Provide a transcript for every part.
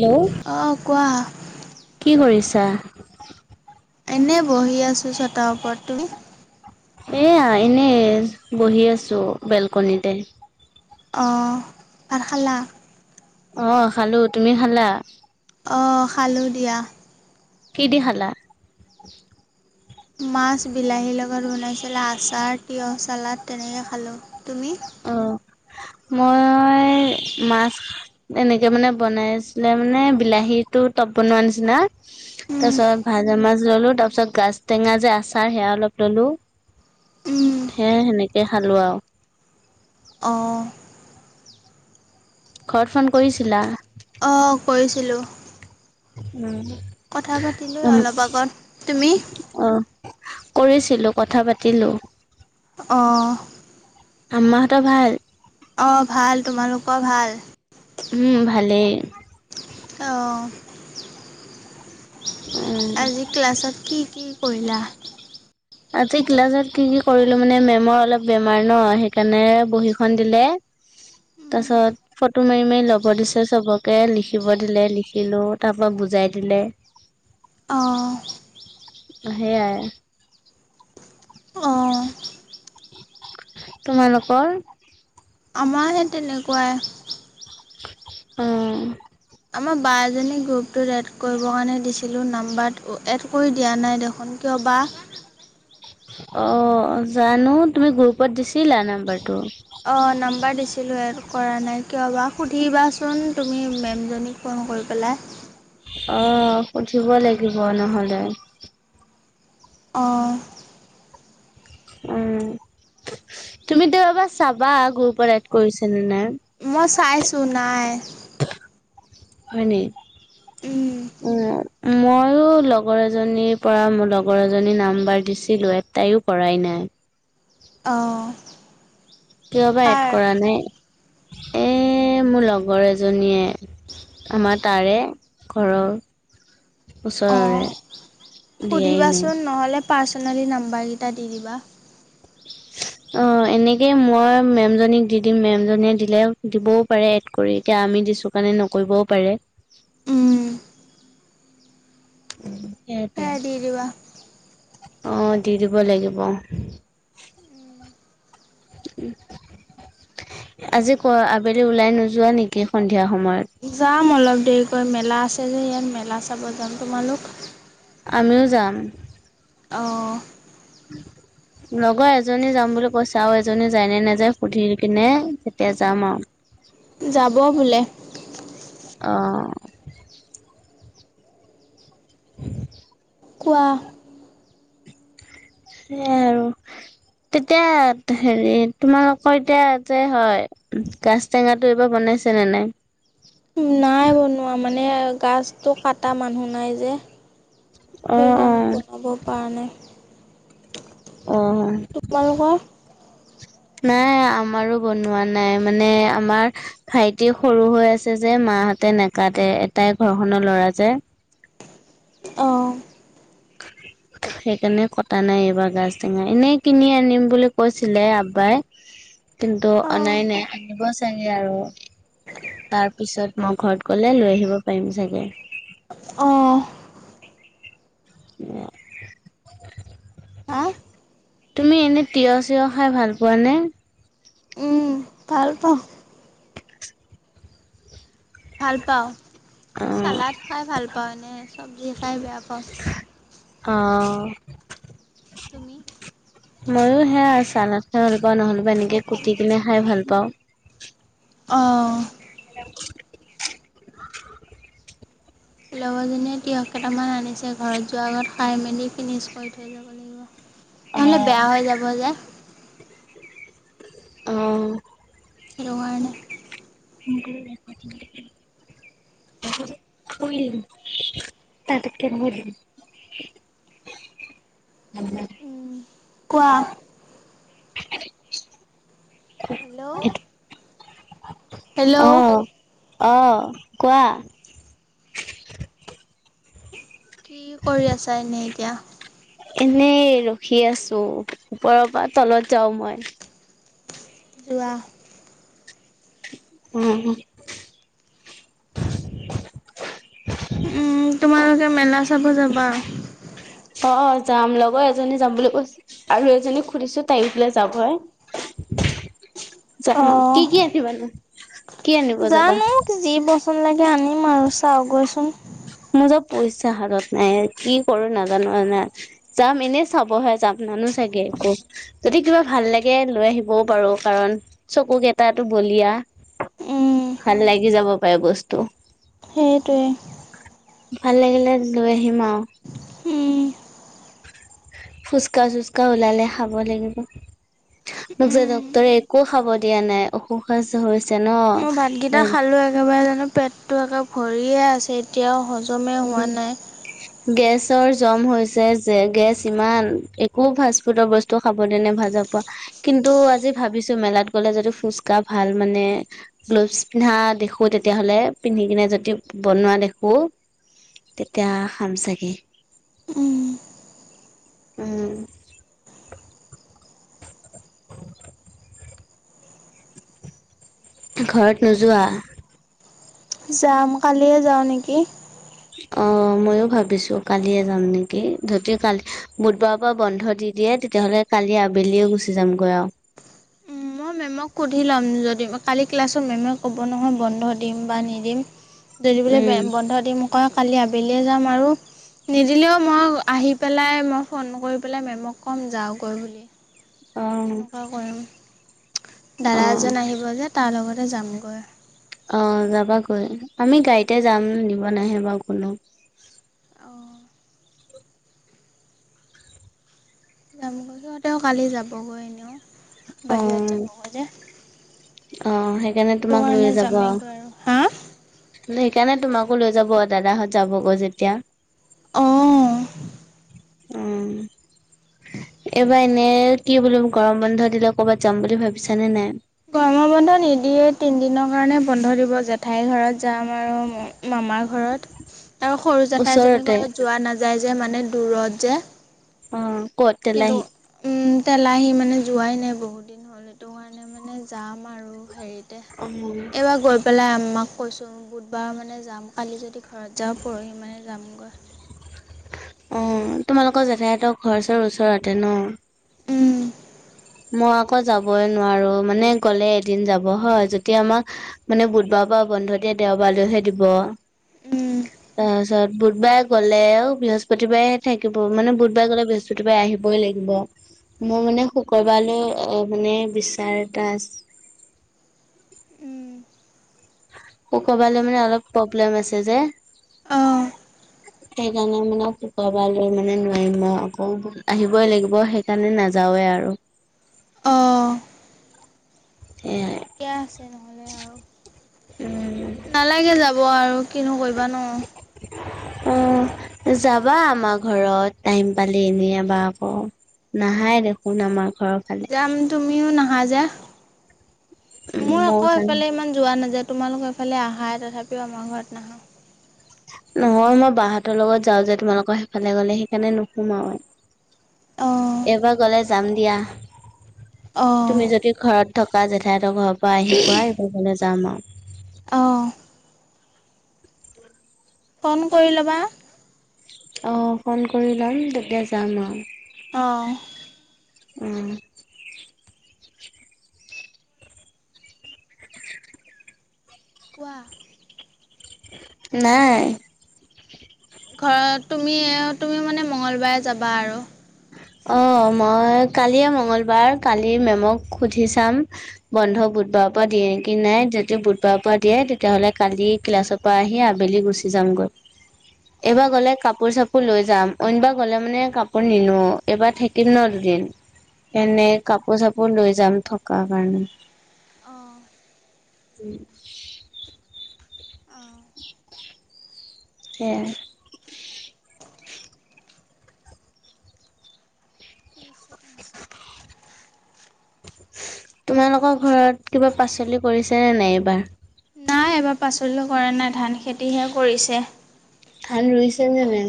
Hello অ', কোৱা। কি কৰিছা? এনে বহি আছোঁ চতাৰ ওপৰত তুমি এয়া এনে বহি আছো বেলকনিতে। অ'পহালা? অ' খালো তুমি খালা? অ' খালো দিয়া। কি দি হালা? মাছ, বিলাহীৰ লগত বনাইছিলে। আচাৰ, তিঁয়হ, চালাদ তেনেকৈ খালোঁ। তুমি? অ' মই মাছ। এনেকে মানে বনাই আছিলে মানে বিলাহীতটো টপ বনোৱা নিচিনা। তাৰ উম, পিছত ভাত। মাজ মাজ ললো। তাৰপিছত গাজ টেঙা যে আচাৰ সেয়া অলপ ললো। উম, সে সেনেকে খালো আৰু। অঁ। ঘৰ ফোন কৰিছিলা? অ', কৰিছিলোঁ। উম। কথা পাতিলৈ অলপ আগত, তুমি? কৰিছিলোঁ। কথা পাতিলোঁ। অঁ, আম্মাহঁত ভাল? অ' ভাল। তোমালোকৰ ভাল? উম, ভালেই। অ', উম। আজি ক্লাছত কি কি কৰিলা? আজি ক্লাছত কি কি কৰিলো, মানে মেমৰ অলপ বেমাৰ ন সেইকাৰণে বহীখন দিলে। তাৰ পিছত ফটো মাৰি-মাৰি লব দিছে চবকে, লিখিব দিলে, লিখিলো তাপা বু যাই দিলে। অ' সেয়াই। অ', তোমালোকৰ? মে তেনেকুৱাই। অ', আমাৰ বা এজনে গ্ৰুপটোত এড কৰিবৰ কাৰণে দিছিলো নাম্বাৰ এড কৰি দিয়া নাই দেখোন কিয় তবাহ অ', জানো তুমি গ্ৰুপত দিছিলা নাম্বাৰটো? অ', নাম এবাৰ দিছিলোঁ এড কৰা নাই কিয় বা সুধিবাচোন তুমি মেমজনীক ফোন কৰি পেলাই। অ', সুধিব লাগিব নহ'লে। অ', উম, তুমি দোবা চাবা গৰু পৰাত কৰিছে নে নাই। স চাইছো নাই। হয় ন। উম ময়ো লগৰ এজনীৰ পৰা মোৰ লগৰ এজনী নাম্বাৰ দিছিলো এটাইও কৰাই নাই। অ', কিয় বা এড কৰা নাই এ মোৰ লগৰ এজনীয়ে আমাৰ তাৰে ঘৰৰ অঁ ওচৰৰে। দিয়াই নাই সুধিবাচোন নহ'লে পাৰ্চনেলি নাম্বাৰকেইটা দি দিবা। [inaudible] অ, এনেকেই মই মেম জনীক দি - দিম মেম জনীয়ে দিলে দিবও পাৰে এড কৰি এতিয়া। আমি দিছো কাৰণে নকৰিব পাৰে। উম, সেইটোৱ। সেয়াই দি দিবা অহ, দি দিব লাগিব। উম, আজি ক আবেলি ওলাই নোযোৱা নেকি সন্ধিয়া সময়ত। যাম অলপ দেৰিকৈ মেলা আছে যে ইয়াত মেলা চাব যাম তোমালোক? আমিও যাম। অঁ উম, লগৰ এজনী যাম বুলি কৈছে আৰু এজনী যায় নে নেযায় সুধি কিনে তেতিয়া যাম আৰু যাব বোলে অ', কোৱা? সেইয়াই আৰু। তেতিয়া হেৰি তোমালোকৰ এতিয়া যে হয় গাছ টেঙাটো এইবাৰ বনাইছে নে নাই। নাই বনোৱা মানে গছটো কাটা মানুহ নাই যে অ' সেইকাৰণে অ' বনাব পৰা নাই। অ', তোমালোকৰ নাই আমাৰো বনোৱা নাই মানে আমাৰ ভাইটি সৰু হৈ আছে যে মাহত তে নকাতে এটাই ঘৰখনৰ ল'ৰা যে। অঁ [inaudible] সেইকাৰণে কটা নাই এইবাৰ গাজ টেঙা এনেই কিনি আনিম বুলি কৈছিলে আব্বাই। কিন্তু অঁ অনাই নাই আনিব চাগে আৰু। তাৰ পিছত মই ঘৰত গ'লে লৈ আহিব পাৰিম চাগে। অহ ', অ', হা তুমি এনে তিয়হ চিয়হ খাই ভাল পোৱানে। উম ভাল পাও। ভাল পাও অ', চালাড খাই ভাল পাও এনেই চব্জি খাই বেয়া পাও। অ', তুমি? মইো সেয়া চালাদ খাই ভাল পাও নহ'লেবা এনেকে কুটি কিনে খাই ভাল পাও। অহ ', লগৰজনীয়ে তিয়হ কেইটামান আনিছে ঘৰত যোৱাৰ আগত খাই মেলি ফিনিচ কৰি থৈ যাব লাগিব। নহলে বেয়া হৈ যাব যে। অহ ', সেইটো কাৰনে। ম শইল তাতে কেনে হল। উম, কোৱা। Hello hello. অহ - অহ, কোৱা? কি কৰি আছা এনেই এতিয়া? এনেই ৰখি আছো ওপৰৰ পৰা তলত যাও মই। ৱাহ। উম, উম, তোমালোকে মেলা চাব যাবা। অ, যাম লগৰ এজনী যাম বুলি কৈছো আৰু এজনী খুধছো তাই পে যাব হয়। যাম আৰু অ', কি - কি আনিবানো। কি আনিব যাবা? জানো যি বচন লাগে আনিম আৰু চাওগৈচোন। মোৰ য পইচা হাতত নাই কি কৰো নাজানো যাম এনেই চাবহে যাম। নলও চাগে একো যদি কিবা ভাল লাগে লৈ আহিবও পাৰো কাৰণ চকু কেইটো বুল উম, লিয়া ভাল লাগি যাব পাৰে বস্তু। সেইটোৱেই। ভাল লাগিলে লৈ আহিম আৰু। উম। ফুচকা চুচকা ওলালে খাব লাগিব। মোক যে উম। ডক্তৰে একো খাব দিয়া নাই অসুখ ন মই ভাতকেইটা খালো একেবাৰে জানো পেটতটো একে ভৰিয়ে আছে এতিয়াও হজ মে হোৱা উম নাই। গেছৰ জম হৈছে যে গেছ ইমান একো ফাষ্ট ফুডৰ বস্তু খাব দ নে ভাজাব কিন্তু আজি ভাবিছো মেলাত গ'লে যদি ফুচকাঢ় ভাল মানে গ্লোভছ পিন্ধা দেখো তেতিয়াহলে পিন্ধি কিনে যদি বনোৱা দেখো তেতিয়া খাম চাগে। উম, উম, [inaudible] ঘৰত নোযোৱা। যাম কালিয়ে যাও নেকি? অ, ময়ো ভাবিছো কালিয়ে যাম নেকি ধতি কালি বুধবাৰৰ পৰা বন্ধ দি দিয় দে তেতিয়াহ'লে কালি আবেলিও গুচি যামগৈ আৰু। মই মে'মক সুধি ল'ম যদি কালি ক্লাছত মেমে ক'ব নহয় বন্ধ দিম বা নিদিম। যৰি বলৈ বন্ধ দিম কয় কালি আবেলিয়ে যাম আৰু। নিদিলেও মই আহি পেলাই মই ফোন কৰি পেলাই মেমক ক'ম যাওগৈ বুলি। উম তেনেকুৱা কৰিম অ দাদা অ এজন আহিব যে তাৰ লগতে যামগৈ। অ, যাবাগৈ আমি গাড়ীতে যাম নিব নাহে বাৰু কোনো। অঁ যামগৈ সিহতে কালি যাবগৈ এনেও অ বাহিৰত যাবগৈ যে। অ, সেইকাৰণে সেইটো তোমাক লৈ কাৰণে যাবা যামেইগৈ আৰু হা আৰু। কেনে তোমাকো লৈ যাব দাদাহত যাবগৈ যেতিয়া। অ', উম, এইবাৰ এনে কি বোলো গৰম বন্ধ দিলে ক'ৰবাত যাম বুলি ভাবিছা নে নাই। গৰম বন্ধ নিদিয়ে তিন দিনৰ কাৰণে বন্ধ দিব জেঠাইৰ ঘৰত যাম আৰু মামাৰ ঘৰত আৰু সৰু জেঠাই এজনীৰ ওচৰতে ঘৰত যোৱা নাযায় যে মানে। দূৰত যে। অ, ক তেল আহি তেলাহি মানে যোৱাই নাই বহুত দিন হ'ল সেইটো কাৰণে মানে যাম আৰু হেৰিত অ এইবাৰ গৈ পেলাই আমাক কৈছো বুধবাৰ মানে যাম কালি যদি ঘৰত যাও পৰহি মানে যামগৈ। অ, তোমালোকৰ জেঠায়তৰ ঘৰ চৰ ওচৰতে ন। উম, মই আকৌ যাবই নোৱাৰো মানে গ'লে এদিন যাব হয় যিতিয়া আমাক মানে বুধবাৰ পৰা বন্ধ দিয়ে দেওবাৰলৈহে দিব। তাৰপিছত বুধবাৰে গ'লেও বৃহস্পতিবাৰে থাকিব মানে বুধবাৰে গলে বৃহস্পতিবাৰে আহিবই লাগিব। মই মানে শুক্ৰবাৰলৈ মানে বিচাৰ এটা আছে। অ, কবালৈ মানে অলপ প্ৰব্লেম আছে যে। অঁ সেই কাৰণে মানে শুক্ৰবাৰলৈ মানে নোৱাৰিম মই আকৌ আহিবই লাগিব সেইকাৰণে নাযাও। আৰু। অ', সেয়াই ঠিকে আছে নহ'লে আৰু। নালাগে যাব আৰু কিনো কৰিবা ন। অ, যাবা আমাৰ ঘৰত টাইম পালে এনে এবাৰ আকৌ। নাহায়ে দেখোন আমাৰ ঘৰৰ ফালে। যাম তুমিও নাহা যে। উম মোৰ ময়ো আকৌ যাম এইফালে ইমান যোৱা নাযায়। তোমালোকৰ ইফালে আহা তথাপিও আমাৰ ঘৰত নাহা। নহয় মই বা হতঁৰ লগত যাওঁ যে তোমালোকৰ সেইফালে গলে সেইকাৰণে নুশুমাও। অঁ এইবাৰ গলে যাম দিয়া। অঁ তুমি যদি ঘৰত থকা জেঠাইহতৰ ঘৰৰ পৰা আহি পায় ঘৰলে যাম আৰু। অঁ ফোন কৰি ল'বা। অ, ফোন কৰি লম তেতিয়া যাম আৰু। অ। উম, [unintelligible] কোৱা। নাই। ঘৰত তুমি তুমি মানে মঙ্গলবাৰে যাবা আৰু। অ, মই কালিয়ে মঙ্গলবাৰ, কালি মেমক সুধি চাম বন্ধ বুধবাৰৰ পৰা দিয়ে নেকি নাই যদি বুধবাৰৰ পৰা দিয়ে তেতিয়াহ'লে কালি ক্লাছৰ পৰা আহি আবেলি গুচি যাম। যামগৈ। এইবাৰ অঁ গ'লে কাপোৰ চাপোৰ লৈ যাম। অইনবাৰ গ'লে মানে কাপোৰ নিনো এবাৰ থাকিম ন দুদিন। এনে কাপোৰ চাপোৰ লৈ যাম থকা কাৰণে। অ। [unintelligible] অ'। সেয়াই। [unintelligible] তোমালোকৰ ঘৰত কিবা পাচলি কৰিছে নে নাই এইবাৰ। নাই এবাৰ পাচলি কৰা নাই ধান খেতিহে কৰিছে। ধান ৰুইছে নে নাই।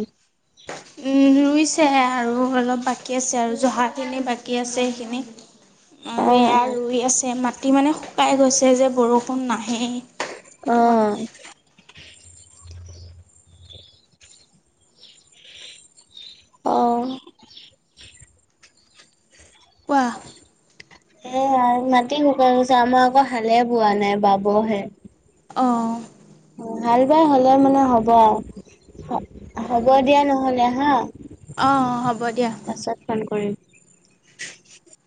উম, ৰুইছে আৰু অলপ বাকী আছে আৰু জহাখিনি বাকী আছে সেইখিনি। অ আৰু এয়া ৰুই আছে মাটি মানে শুকাই গৈছে যে বৰষুণ নাহেই। সেইটো কাৰণে অ', অ'। কোৱা। সেয়ে আৰু মাটি শুকাই গৈছে, আমাৰ আকৌ হালে বোৱা নাই বাবহে। অহ। অহ, ভাল বেয়া হ'লেও মানে হ'ব। হ, হ'ব দিয়া নহ'লে হা। অঁ হ'ব দিয়া পাছত ফোন কৰিম।